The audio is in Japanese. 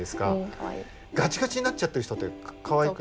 ガチガチになっちゃってる人ってかわいくない。